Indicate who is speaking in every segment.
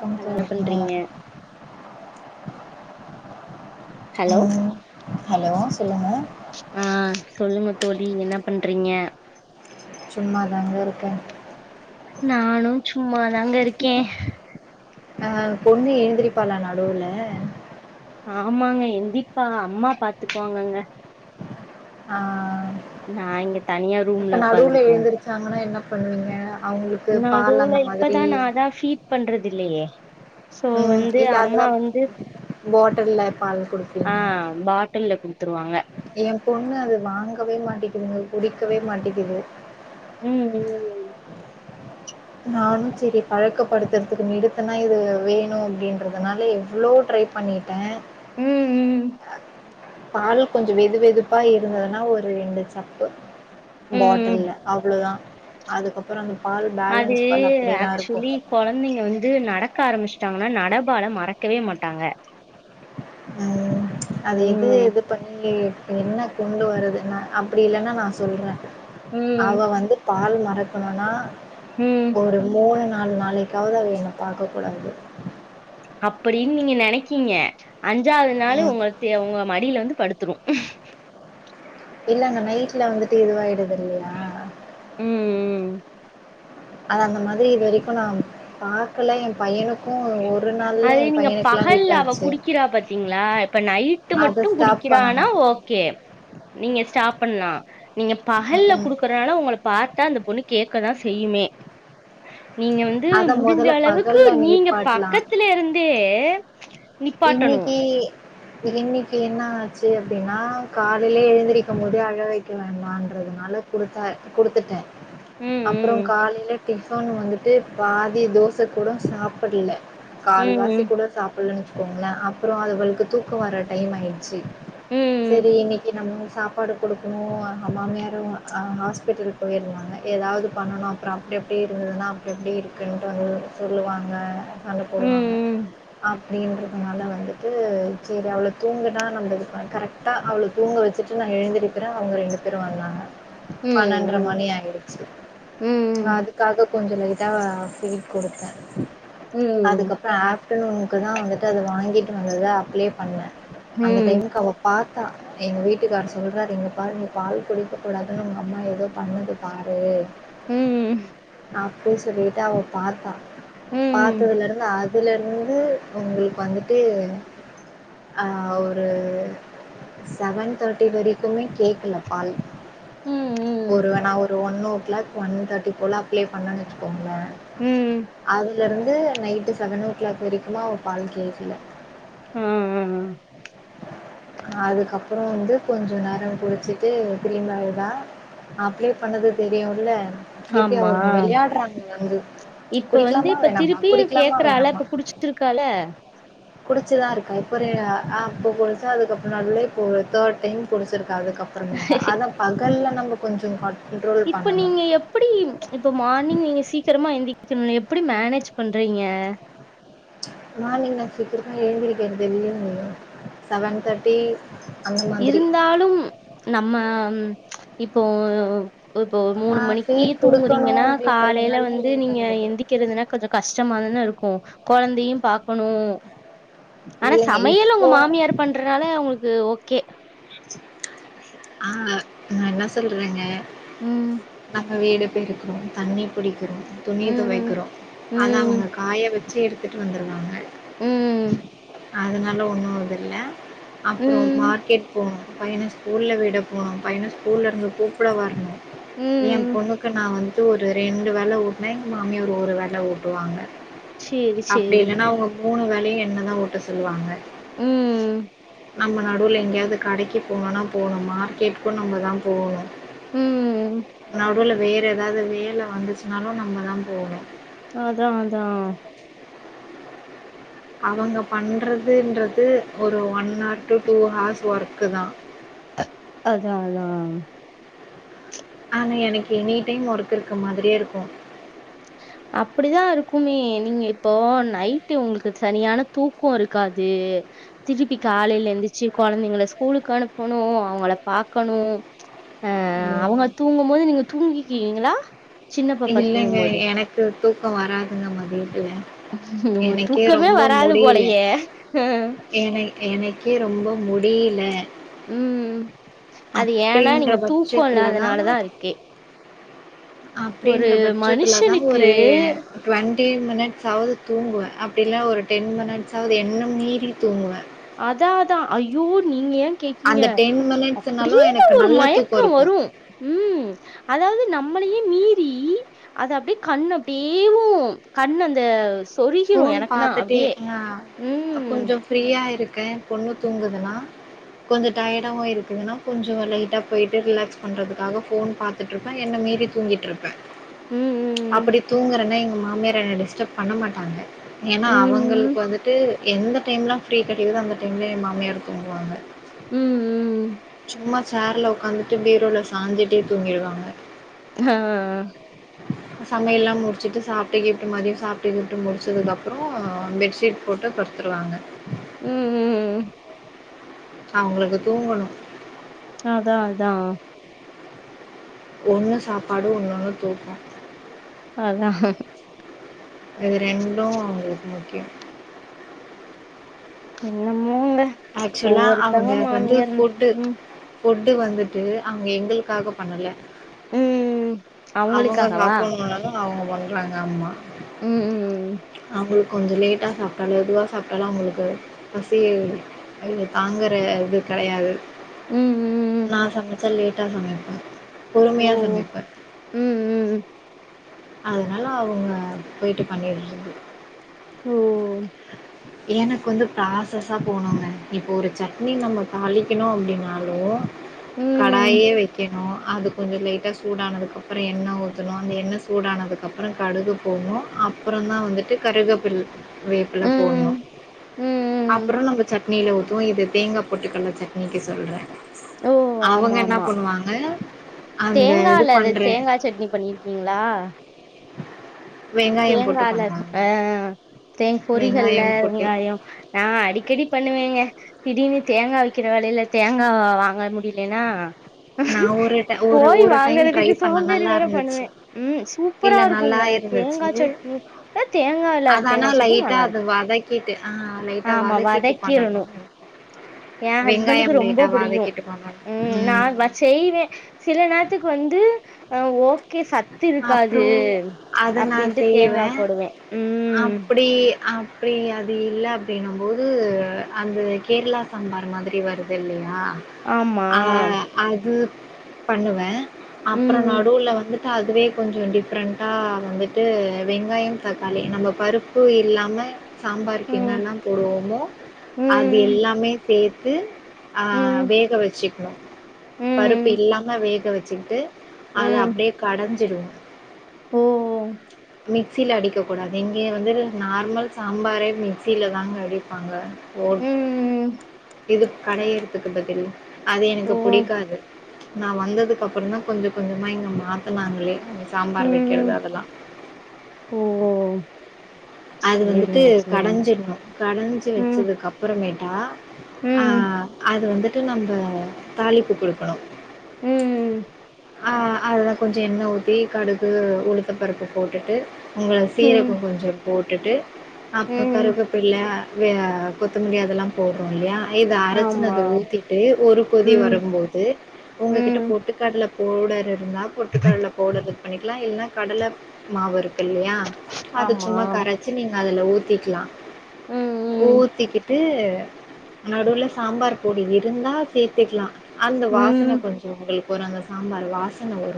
Speaker 1: பும்
Speaker 2: hello
Speaker 1: தோன்றின
Speaker 2: பண்றீங்க hello
Speaker 1: ம் ஹலோ சொல்லுங்க
Speaker 2: ஆ சொல்லுங்க தோழி என்ன பண்றீங்க
Speaker 1: சும்மாதாங்க இருக்கே
Speaker 2: நானு சும்மாாதாங்க இருக்கே
Speaker 1: ஆ பொண்ணு எழுந்திரிப்பாலா நடுவுல
Speaker 2: ஆமாங்க எந்திப்பா அம்மா பாத்துக்குவாங்கங்க
Speaker 1: ஆ
Speaker 2: நா இங்க தனியா ரூம்ல உகாந்துருக்கே
Speaker 1: எழுந்திரிச்சாங்கன்னா என்ன பண்ணுவீங்க அவங்களுக்கு பால்
Speaker 2: நடுவுல
Speaker 1: அந்த மாதிரி
Speaker 2: இப்பதா நா அதா ஃபீட் பண்றது இல்லையே சோ
Speaker 1: ம்
Speaker 2: வந்து
Speaker 1: இல்ல அதுதா
Speaker 2: அம்மா வந்து
Speaker 1: பாட்டில்ல பால்
Speaker 2: ஆ
Speaker 1: கொடுப்பீங்க
Speaker 2: பாட்டில்ல குடுத்துருவாங்க
Speaker 1: எ பொண்ணு அது வாங் கவே மாட்டக்குதுங்க குடிக்கவே மாட்டக்குது
Speaker 2: ம் ம்
Speaker 1: நானு சேரி பழக்கப்படுத்துறதுக்கு நெடுத்துனா இது வேணு அப்படின்றதுனால எவ்வளோ ட்ரை பண்ணிட்டே
Speaker 2: ம் ம்
Speaker 1: பால் கொஞ்சோ வெது வெதுப்பா இருந்ததுன்னா ஒரு ரெண்டு சப்பு
Speaker 2: ம்
Speaker 1: பாட்டில்ல அவ்ளவுதா அதுக்கப்புறோ அந்
Speaker 2: அது ஆக்சுவலி குழந்தைங்க வந்து நடக்க ஆரம்பிச்சு ட்டாங்கன்னா நடபால மறக்கவே மாட்டாங்க
Speaker 1: ம் அது இது
Speaker 2: ம்
Speaker 1: இது பண்ணி என்ன கொண்டு வருது ந அப்டி இல்லன்னா நா சொல்ற
Speaker 2: ம்
Speaker 1: அவ வந்து பால் மறக்கணுன்னா
Speaker 2: ம்
Speaker 1: ஒரு மூணு நாள் நாளைக்காவது அது என்ன பார்க்க கூடாது
Speaker 2: அப்டின்னு நீங்க நினைக்கீங்க அஞ்சாவது நாளு
Speaker 1: ம்
Speaker 2: உங்கள்தே உங்க மடியில வந்து படுத்துரு
Speaker 1: இல்லங்க நைட்ல வந்துட்டு இதுவாயிடுது இல்லையா
Speaker 2: உம் உம்
Speaker 1: அது அந்த மாரி இது வரைக்கு நா பாக்கல என் பையனுக்கு ஒ
Speaker 2: அது நீங்க பகல்ல அவ குடிக்கிறா பத்தீங்ளா இப்ப நைட்டு
Speaker 1: அதை
Speaker 2: மட்டு
Speaker 1: ஸ்டாப்
Speaker 2: குடிக்குறானா
Speaker 1: பண்ணணும்
Speaker 2: ஓகே நீங்க ஸ்டாப் பண்ணா நீங்க பகல்ல
Speaker 1: ம்
Speaker 2: குடுக்குறனால உங்கள பா த்தா அந்த பொண்ணு கேக்கதா செய்யுமே நீங்க வந்து
Speaker 1: அதை
Speaker 2: முடிஞ்ச
Speaker 1: முதல்ல
Speaker 2: அளவுக்கு
Speaker 1: பகலில்
Speaker 2: நீங்க பா
Speaker 1: நிப்பாட்டலாம்
Speaker 2: பக்கத்துல இருந்தே நிப்பாட்டணும்.
Speaker 1: இன்னக்கி இன்னைக்கு என்ன ஆச்சு அப்டின்னா காலேய எழுந்திருக்கு போது அழ வைக்கறன்றதுனால குடுத்தா குடுத்துட்டே அப்றோ
Speaker 2: ம். ம்.
Speaker 1: காலேல டிஃபன் வந்துட்டு பாதி தோச கூட சாப்டல்ல கால்வாசி
Speaker 2: ம்.
Speaker 1: கூட சாப்புலனு போங்கள அப்பறோ அது அவள்க்கு தூக்க வர டைம் ஆயிடுச்சு
Speaker 2: ம்.
Speaker 1: செரி இன்னைக்கு நம்ம சாப்பாடு குடுக்கணு எங்க மாமியாரு ஆ ஹாஸ்பிட்டல் போயிருந்தாங்க ஏதாவது பண்ணனு அப்றோ அப்டி அப்டியே இருந்ததுன்னா அப்டி அப்டி இருக்குன்ட்டு வந்து சொல்லுவாங்க சண்ட போடுவாங்க
Speaker 2: ம்.
Speaker 1: ஆம் நீ [unintelligible] அதனால வந்துட்டு சேரி அவள தூங்குனா நம்ம இது கரெக்டா அவள தூங்க வெச்சுட்டு நா எழுந்திருக்குறே அவுங்க ரெண்டு பேரு வந்தாங்க பன்னென்ர
Speaker 2: ம்.
Speaker 1: மணி ஆயிடுச்சு நா
Speaker 2: ம்.
Speaker 1: அதுக்காக கொஞ்சோ லைட்டா ஃபிட் குடுத்தே
Speaker 2: ம். ம்.
Speaker 1: அதுக்கப்றோ ஆ இதுக்கு தா வந்துட்டு அத வாங்கிட்டு வந்துதா அப்ளை பண்ணே
Speaker 2: ம்.
Speaker 1: அந்த
Speaker 2: ம்.
Speaker 1: டைமுக்கு அவ பாத்தா எங்க வீட்டுக்காரர் சொல்றார் இங்க பாருங்கள் பால் குடிக்ககூடாதுன்னு உங்க அம்மா ஏதோ பண்ணுது பாரு
Speaker 2: ம்.
Speaker 1: ஆப் அப்டின்னு சொல்லிட்டு அவ பாத்தா
Speaker 2: ம். ம்.
Speaker 1: பாத்ததுல இருந்து அதுல இருந்து ஒங்களுக்கு வந்துட்டு ஆ ஒரு செவன் தேட்டி வரைக்குமே கேக்கல பால்
Speaker 2: ம் ம்
Speaker 1: ஒருவன one o'clock one thirty போல அப்ளே பண்ணேனுவச்சுகோங்களே
Speaker 2: உம்ம்
Speaker 1: இதுல இருந்து நைட்டு செவன் ஓ கிளாக் வரைக்கும்மா ஒரு பால் கேது இல்ல
Speaker 2: உஹம் உம்
Speaker 1: அதுக்கப்புறம் வந்து கொஞ்சம் நேரம் குடிச்சிட்டு பிரிமாடுதான் அப்ளை பண்ணது தெரியும்ல எப்படி
Speaker 2: ஆமா
Speaker 1: அவருங்க விளையாடுறாங்க வந்து
Speaker 2: இப்ப வந்து
Speaker 1: குடிக்கலாமா
Speaker 2: இப்ப
Speaker 1: வேணாமா
Speaker 2: திருப்பியும்
Speaker 1: குடிக்கலாமா
Speaker 2: கேக்குறால
Speaker 1: வேணாமா
Speaker 2: இப்ப குடிச்சிச்சிருக்கால
Speaker 1: குடிச்சுதான் இருக்கா இப்போ ஒரு ஆஹ் இப்போ குடிச்ச அதுக்கப்புறம் நல்ல இ தேர்ட் டைம் குடிச்சிருக்கு அதுக்கப்புறமே அத பகல்ல நம்ம கொஞ்சம் கண்ட்ரோல்
Speaker 2: இப்ப
Speaker 1: பண்ணணும்
Speaker 2: நீங்க எப்படி இப்ப மார்னிங் நீங்க சீக்கிரமா எந்த எப்படி மேனேஜ் பண்றீங்க
Speaker 1: மார்னிங் நான் சீக்கிரமா எழுந்திருக்கிறது இல்ல செவன் தேர்ட்டி
Speaker 2: இருந்தாலும் நம்ம இப்போ இப்போ ஒரு
Speaker 1: ஆ
Speaker 2: மூணு மணிக்கு
Speaker 1: ஃபீட் குடுக்கணும்
Speaker 2: தூங்குறீங்கன்னா காலையில
Speaker 1: அப்படின்றதுனால
Speaker 2: வந்து
Speaker 1: லேட்
Speaker 2: நீங்க
Speaker 1: ஆகுது.
Speaker 2: எந்திக்கிறதுன்னா கொஞ்சம் கஷ்டமாதானே இருக்கும் குழந்த இதையும் பார்க்கணும் ஆனா
Speaker 1: இல்லைங்க
Speaker 2: சமையல் உங்க
Speaker 1: இப்போ
Speaker 2: மாமியார் பண்றதுனால உங்களுக்கு ஓகே ஒகே
Speaker 1: ஆஹ் நான் என்ன சொல்றேங்க
Speaker 2: ம்
Speaker 1: அங்க வீடு இருக்கணும் தண்ணி பிடிக்கும் துணிய
Speaker 2: ம்
Speaker 1: தொவைக்கிறோம் அத அவங்க
Speaker 2: ம்
Speaker 1: காய வச்ச வச்ச எடுத்துகட்டுந்துடுவாங்க
Speaker 2: உம்ம்
Speaker 1: அதனால ஒண்ணும் இல்ல அப்புறம்
Speaker 2: ம்.
Speaker 1: மார்க்கெட் போம் பையனைம் ஸ்கூலில் விீட போகனும் பையனைம் ஸ்கூல இருந்து கூப்பிட வரணும் என்
Speaker 2: ம்.
Speaker 1: பொண்ணுக்கு நான் வந்து ஒரு ரெண்டு வேலை ஊட்டனா எங்க மாமியார் ஒரு வேலை ஊட்டுவாங்க
Speaker 2: சரி,
Speaker 1: அப்படி
Speaker 2: சரி.
Speaker 1: இல்லன்னா உங்க மூணு வேலை [unintelligible] என்ன தா ஓட்ட சொல்லுவாங்க
Speaker 2: ம்
Speaker 1: நம்ம நடுவில் எங்கேயாவது கடைக்கு போணுனா போணும கேட்டு நம்ம தா போணு
Speaker 2: ம்.
Speaker 1: நடுல வேற எதாவது வேல வந்துச்சுனாலு நம்மதா போணும்
Speaker 2: அதா அதா
Speaker 1: அவங்க பண்றதுன்றது ஒரு one hour to two hours வொர் க்குதா
Speaker 2: அதா அதா
Speaker 1: ஆனா எனக்கு எனி டைம் ஒர்க் இருக்க மாதிரியே இருக்கு
Speaker 2: அப்படிதா இருக்குமே நீங்க இப்போ நைட்டு உங்களுக்கு சரியான தூக்க இருக்காது திருப்பி காலையில இருந்துச்சு குழந்தைங்க ஸ்கூலுக்கு அனுப்பனு அவங்கள பாக்கணு ஆ அவங்க
Speaker 1: ம்.
Speaker 2: தூங்கும் போது நீங்க தூங்கிக்கீங்களா
Speaker 1: இல்லைங்க எனக் கு தூக்க வராதுங்க மதியம்
Speaker 2: உங்களுக் தூக்கமே வராது
Speaker 1: முடியல.
Speaker 2: போலயே ஆ
Speaker 1: க்கே ரொம்ப முடியல
Speaker 2: ம் அது ஏன்னா
Speaker 1: அப்டின்ற
Speaker 2: நீங்க தூக்க
Speaker 1: பட்சத்துல
Speaker 2: இல்லாதனாலதா இருக்கே ஒரு
Speaker 1: அப்படின்ற பட்சத்துலதா
Speaker 2: மனுஷனுக்கு
Speaker 1: ஒரு டூவன் டென் மினிட்ஸ ஆவது தூங்குவே அப்படி இல்ல ஒரு டென் மினிட்ஸாவது என்ன மீறி தூங்குவே
Speaker 2: அதாதா ஐயோ நீங்க எ கேக்கீங்க
Speaker 1: அந்த
Speaker 2: அப்படியே
Speaker 1: மினிட்ஸ்னாலும் எனக்கு
Speaker 2: ஒரு
Speaker 1: நல்ல
Speaker 2: மயக்க
Speaker 1: தூக்கம் இருக்கும்.
Speaker 2: வரு ம் அதாவது நம் நம்மளே மீறி அத அப்படியே கண் அப்படியே கண் அந்த சொருகிரும்
Speaker 1: போன்
Speaker 2: எனக்குன்னா
Speaker 1: பாத்துட்டே
Speaker 2: அப்டியே.
Speaker 1: ஆ
Speaker 2: ம்.
Speaker 1: கொஞ்சோ ஃப்ரீயா இருக் கே பொண்ணு தூங்குதுனா கொஞ்சோ டர்டாகவு இருக்குதுன்னா கொஞ்சோ லைட்டா போய்டிவிட்டு ரிலாக்ஸ் பண்ணுறதுக்காக ஃபோன் பார்த்துட்டு்ருப்பே என்ன மீறி தூங்கிட்டு இருப்பே
Speaker 2: ம்.
Speaker 1: அப்படி தூங்குறேன்னாங் மாமியார் என்ன டிஸ்ட்ப பண்ண மாட் [unintelligible] ஏன்னா
Speaker 2: ம்.
Speaker 1: அவங்களுக்கு
Speaker 2: ம்.
Speaker 1: வந்துட்டு எந்த டைம் எல்லா ஃப்ரீ கிடைக்குதோ அந்த டைம்ல எ மாமியார் தூங்குவாங்க
Speaker 2: ம் ம் ம்
Speaker 1: சும்மா சேர்ல உட்காந்துட்டு பீரோல சாஞ்சுட்டே தூங்கிடுவாங்க
Speaker 2: ஆ
Speaker 1: அ சமையெல்லா முடிச்சுட்டு சாப்ட்டு கீப்ட்டு மதியோ சாப்ட்டு கீப்ட்டு முடிச்சதுக்கு அப்றோ ஆ பெட்ஷீட் போட்டு படுத்துருவாங்க
Speaker 2: ம் ம் ம் ம்
Speaker 1: அவங்களுக்கு தூங்கணு
Speaker 2: அதா அதா
Speaker 1: ஒண்ணு சாப்பாடு இன்னொன்னு தூக்கோ
Speaker 2: அதா
Speaker 1: இது ரெண்டு அவங்களுக்கு முக்கியோ
Speaker 2: இன்னமே
Speaker 1: ஆக்சுவலா அவங்க வந்து
Speaker 2: மாமியார்.
Speaker 1: ஃபுட்டு
Speaker 2: ம்.
Speaker 1: ஃபுட்டு வந்துட்டு அவங்க எங்களுக்காக பண்ணல
Speaker 2: ம்.
Speaker 1: அவங்க
Speaker 2: அவங்களுக்காகவா?
Speaker 1: சாப்பட்ணுனுதா அவங்க பண்றாங்க ஆமா
Speaker 2: ம். ம்.
Speaker 1: அவுங்களுக் கொஞ்ச லேட்டா சாப்ட்டாலு மெதுவா சாப்ட்டாலு அவங்களுக்கு பசி இடு தாங்குற இது கெடையாது
Speaker 2: ம். ம். ம்.
Speaker 1: நா சமைச்சா லேட் டா சமைப்பே பொறுமையா
Speaker 2: ஓ!
Speaker 1: சமைப்பே
Speaker 2: ம் ம்
Speaker 1: அதனால அவுங்க போயிட்டு பண்ணிர்றது
Speaker 2: ஓ
Speaker 1: எனக்கு வந்து ப்ராசஸா போனுங்க இப்போ ஒரு சட்னி நம்ம தாளிக்கணு அப்டினாலு கடாயே
Speaker 2: ம்
Speaker 1: வைக்கணு அது கொஞ்சோ லைட்டா சூடானதுக்கப்பறோ எண்ண ஊத்தணு அந்த எண்ண சூடானதுக்கப்றோ கடுகு போட்ணு அப்புறந்தா வந்துட்டு கருகாப்பில் வேப்பில போட்ணு
Speaker 2: ம் ம்
Speaker 1: அப்புறோ நம்ம சட் னில ஊத்துவோ இது தேங்கா போட்டு கல்ல சட்னிக்கு சொல்றே
Speaker 2: ஓ ஆமா ஆமா
Speaker 1: அந்த
Speaker 2: தேங்கா
Speaker 1: இது
Speaker 2: இல்லாது
Speaker 1: பண்றேன்
Speaker 2: தேங்கா சட்னி பண்ணிருக்கீங்களா
Speaker 1: வெங்காயம்
Speaker 2: தேங்கா
Speaker 1: போட்டு
Speaker 2: அல்ல
Speaker 1: பண்ணுவாங்க.
Speaker 2: ஆ தேங் பொரி கல்ல
Speaker 1: வெங்காயம் போட்டு
Speaker 2: வெங்காயோ நா அடிக்கடி பண்ணுவேங்க திடீர்னு தேங்கா விக்கிற வெலைல தேங்கா வா வாங்க முடியலன்னா
Speaker 1: நான் ஒரு ட ஒரு
Speaker 2: போய்
Speaker 1: ஒரு டைம் ட்ரை
Speaker 2: வாங்கறதுக்கு
Speaker 1: பண்ணேன்.
Speaker 2: சோம்பேறி
Speaker 1: நல்லா
Speaker 2: வேற
Speaker 1: இருந்துச்சு.
Speaker 2: பண்ணுவே ம்
Speaker 1: இல்ல
Speaker 2: சூப்பரா
Speaker 1: நல்லா
Speaker 2: இருக்குங்க தேங்கா
Speaker 1: இருந்துச்சு
Speaker 2: சட்னி ஆ தேங்கா
Speaker 1: அது
Speaker 2: இல்லாத
Speaker 1: ஆனா
Speaker 2: தேங்கா சட்னி
Speaker 1: லைட்டா
Speaker 2: நல்லா
Speaker 1: அது
Speaker 2: இருக்கு
Speaker 1: வதக்கிட்டு ஆ லைட்டா
Speaker 2: ஆமா
Speaker 1: வதக்கிட்டு பண்ணணு
Speaker 2: வதக்கிரணு யேன்
Speaker 1: வெங்காயம்
Speaker 2: ஹஸ்பண்டுக்கு ரொம்ப
Speaker 1: லைட்டா
Speaker 2: புடிக்கு
Speaker 1: வதக்கிட்டு பண்ணணு
Speaker 2: ம் நா வச் செய்வே சில நேரத்துக்கு வந்து ஆ ஓ கே சத்து இருக்காது அப்டின்ட்டு
Speaker 1: செய்வ
Speaker 2: தேங்கா போடுவே ம்
Speaker 1: அப்டி அப்டி இல்ல அது இல்ல பேனும் போது அந்த கேரளா சாம்பார் மாதிரி வருது இல்லையா
Speaker 2: ஆமா
Speaker 1: ஆ அது பண்ணுவன் அப்புறம்
Speaker 2: ம்
Speaker 1: நடுவுல வந்து கா அதுவே கொஞ்சம் டிஃப்ரெண்ட்டா வந்துட்டு வெங்காயம் தக்காளி நம்ம பருப்பு இல்லாம சாம்பாருக்கு
Speaker 2: ம்
Speaker 1: என்னல்லா போடுவோமோ அது
Speaker 2: ம்
Speaker 1: எல்லாமே சே கு ஆ
Speaker 2: ம்
Speaker 1: வேக வச்சி இன்னும் பருப்பு
Speaker 2: ம்
Speaker 1: இல்லாம வேக வச் சிட்டு அது அப்டே அஞ்சிரு
Speaker 2: ம் ம்
Speaker 1: மிக்சியில அடிக்கக்கூடாது இங்கே வந்து நார்மல் சாம்பாரே மிக்சியில தாங்க அடிப்பாங்க ஓட்
Speaker 2: ம்
Speaker 1: இது கடையறத்துக்கு பாத்திங்கனா அது
Speaker 2: ஓ
Speaker 1: எனக்கு புடிக்காது நா வந்ததுக்கு அப்புறம் தான் கொஞ்சம் கொஞ்சமா இங்க மாத்தனாங்களே சாம்பார் வைக்கிறது அதெல்லா
Speaker 2: ஓஹோ
Speaker 1: அது வந்துட்டு கடைஞ்சிருணும் கடைஞ்சி
Speaker 2: ம்
Speaker 1: வச்சதுக்கு அப்பறமேட் தா ஆ
Speaker 2: ம்
Speaker 1: அது வந்து டு நம்ப தாலிப்பு குடுக்கணும்
Speaker 2: ம்
Speaker 1: ஆ அதல்ல கொஞ்சம் எண்ண ஊத்தி கடுகு உளுத்தப்பருப்பு போட்டுட்டு உங்கள
Speaker 2: ம்
Speaker 1: சீரகம் கொஞ்சோ கெட்டு அப்ப
Speaker 2: ம்
Speaker 1: கருவேபிள்ள வே கொத்தமல்லி அதெல்லாம் போடுறோம் இல்லையா இதை அரைச்சுன்னு
Speaker 2: ஆமா
Speaker 1: அதை ஊத்திட்டு ஒரு கொதி
Speaker 2: ம்
Speaker 1: வரும்போது உங்ககிட்ட
Speaker 2: ம்
Speaker 1: பொட்டுக்காட்டுல ஓடற என்னா பொட்டுக்கல்ல போடுறது பண்ணிக்கலாம் இல்லைனா கடலை மாவரும் இல்லையா அது
Speaker 2: ஆமா
Speaker 1: சும்மா நீ அதுல ஊத்திக்கலாம்
Speaker 2: ம்
Speaker 1: ஊத்திக்கிட்டு நடுவுல சாம்பார் பொடி இருந்தா சேர்த்துக்கலாம் அந்த
Speaker 2: ம்
Speaker 1: வாசனை
Speaker 2: ம்
Speaker 1: கொஞ்சம் உங்களுக்கு அந்த சாம்பார் வாசனை உவ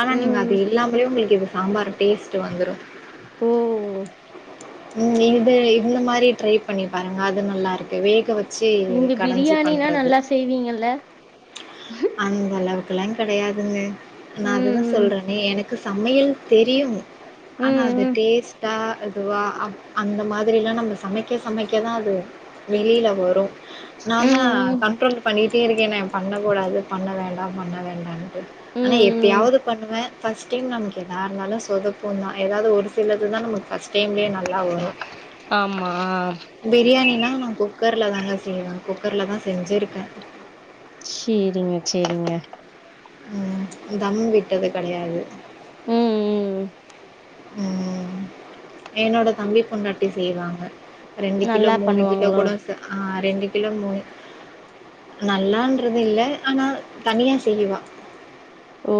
Speaker 1: ஆனா நீங்க
Speaker 2: ம்
Speaker 1: அது எல்லாமேயே உங்களுக்கு சாம்பார் டேஸ்ட்ட் வந்துடும்
Speaker 2: ஓஓ ம்
Speaker 1: உம் இது இந்த மாதிரி ட்ரை பண்ணி பாருங்க அது நல்லா இருக்கு வேக வச்ச
Speaker 2: நீங்க பிரியாணினா நல்லா செய்வீங்கல்ல
Speaker 1: அந்த அதுக்கெல்லாம் கிடையாதுங்க நான் அதுதான்
Speaker 2: ம் ம்
Speaker 1: சொல்றேனே எனக்கு சமையல் தெரியும் ஆனா
Speaker 2: ம்
Speaker 1: அது
Speaker 2: ம்
Speaker 1: டேஸ்டா அதுவாக அ அந்த மாதிரிலாம் நம்ம சமைக்க சமைக்க தான் அது வெளியில வரும் நான் தான்
Speaker 2: ம் ம்
Speaker 1: கண்ட்ரோல் பண்ணிட்டு கே இருக்கேன் நான் பண்ணக்கூடாது பண்ண வேண்டாம் பண்ண வேண்டாம் ஆனா
Speaker 2: ம் ம்
Speaker 1: எப்பயாவது பண்ணுவேன் பர்ஸ்ட் டைம் நமக்கு எதா இருந்தாலும் சொதப்ப தான் ஏதாவது ஒரு சிலது தான் நமக்கு ப்ரஸ்ட் டைம்லே நல்லா வரும்
Speaker 2: ஆமா
Speaker 1: பிரியாணினா ஆ குக்கரில் தாங்க செய்வவேன் கு க்கர்லதா செஞ்சிருக்கே
Speaker 2: சேரிங்க சேரிங்க
Speaker 1: ம் தம் விட்டது கெடையாது
Speaker 2: ம் ம்
Speaker 1: ம் என்னோட தம்பி பொண்ணாட்டி செய்வாங்க ரெண்டு கிலோ
Speaker 2: நல்லா
Speaker 1: மூணு கிலோ
Speaker 2: பண்ணுவாங்களோ
Speaker 1: கூட செ ஆ ரெண்டு கிலோ மூனு நல்லான்றது இல்ல ஆனா தனியா செய்யுவா
Speaker 2: ஓ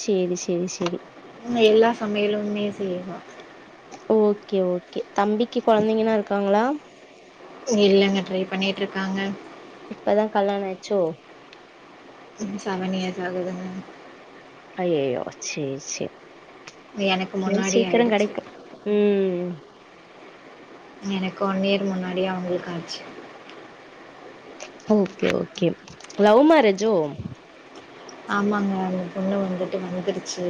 Speaker 2: சேரி சேரி சேரி
Speaker 1: எல்லா சமையலுமே செய்யவா
Speaker 2: ஓகே ஓகே தம்பிக்கு கொழந்தைங்கன்னா இருக்காங்களா
Speaker 1: இல்லங்க ட்ரை பண்ணிட்டு இருக்காங்க
Speaker 2: இப்பதா கல்யாணாச்சோ
Speaker 1: ம் செவன்இயர்ஸ் ஆகுதுங்க
Speaker 2: அய்அய்யோ சே சே
Speaker 1: எனக்கு
Speaker 2: சே
Speaker 1: முன்னாடி
Speaker 2: சீக்கிரோ
Speaker 1: ஆயிடுச்சு.
Speaker 2: கெடைக்கு ம்
Speaker 1: எனக்கு ஒன்ய்ர் முன்னாடியே அவுங்களுக்கு ஆச்சி
Speaker 2: ஓகே ஓகே லவ் மரேஜோ
Speaker 1: ஆமாங்க அந்த பொண்ணு வந்துட்டு வந்துருச்சி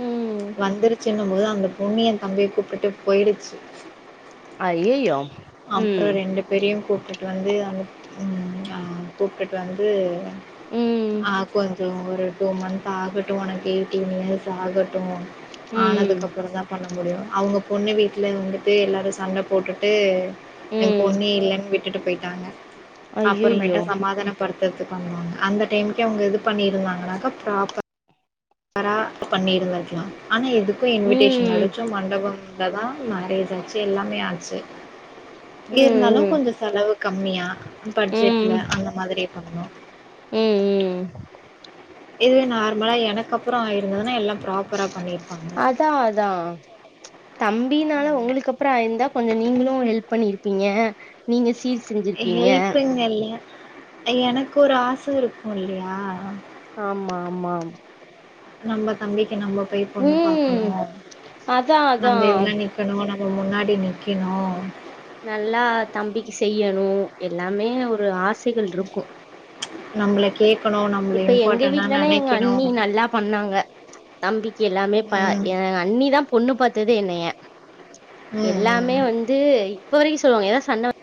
Speaker 2: ம்
Speaker 1: வந்துருச்சின்னு போது அந்த பொண்ணு ஏ தம்பிய கூப்பிட்டு போயிடிச்சி
Speaker 2: ஐய்ஐய்யோ
Speaker 1: அப்புறோ ரெண்டு பேரையு கூப் கிட்ட வந்து அந்த ம் கூப்புட்டு வந்து
Speaker 2: ம்
Speaker 1: ஆ கொஞ்சோ ஒரு டூ மந்த் ஆகட்டு உனக்கு எயட்டீன் இயர்ஸ் ஆகட்டு
Speaker 2: ம்
Speaker 1: ஆனதுக்கு அப்புறோதா பண் முடியு அவுங்க பொண்ணு வீட்ல இருந்துட்டே எல்லாரு சண்ட போட்டுட்டு ஏ
Speaker 2: ம்
Speaker 1: பொண்ணு இல்லன் விட் விட்டுட்டுபோயிட்டாங்க
Speaker 2: ஐய்யய்யோ
Speaker 1: அப்புறமேட்ட சமாதானப்படுத் த்து நல்லா பண்ணுவாங்க அந்த டைமுக்கு அவுங்க இது பண்ணி இருந்தாங்கன்னாக்க ப்ராபர் பண்ணி இருந்தா இருக்கலா ஆனா எதுக் இன்விடேஷன்
Speaker 2: ம்
Speaker 1: அடிச்சோ மண்டபம் அதா மேரேஜ் ஆச்சி எல்லாமே ஆச்சி
Speaker 2: ம்
Speaker 1: இருந்தாலு
Speaker 2: ம்
Speaker 1: கொஞ்சோ செலவு கம்மியா
Speaker 2: ம்
Speaker 1: பட்ஜெட்ல அந்த மாதிரி பண்ணு
Speaker 2: ம் ம்
Speaker 1: இதுவே நார்மலா எனக்கு அப்புறோ இருந்ததுனா எல்லா ப்ராப்ரா பண்ணிருப்பாங்க
Speaker 2: அதா அதா தம்பினால உங்களுக்கு அப்புற ஆயிருந்தா கொஞ்சோ நீங்களு ஹெல்ப் பண்ணிருப்பீங்க நீங்க சி
Speaker 1: ஹெல்பிங் அல்ல அ எனக்கு ஒரு ஆச இருக்கு இல்லையா
Speaker 2: ஆமா ஆமாம்
Speaker 1: நம்ப தம்பி நம்ம போய் பொண்ணு
Speaker 2: ம்
Speaker 1: பாக்கணு
Speaker 2: அதா அதா
Speaker 1: நம்ம எல்லா நிக்கணு நம் முன்னாடி நிற்கணு
Speaker 2: னு எல்லாமே ஒரு ஆச
Speaker 1: நம்மள கேட்கணு நம்
Speaker 2: இப்ப எங்க வீட்லன்னா எங்க அண்ணி நல்லா பண்ணாங்க தம்பிக்கு எல்லாமே ப
Speaker 1: ம்.
Speaker 2: எ அண்ணிதா பொண்ணு பாத்ததே என்னைய
Speaker 1: ம்,
Speaker 2: எல்லாமே
Speaker 1: ம்.
Speaker 2: வந்து இப்ப வரைக்கு சொல்வாங்க எனா சண்ட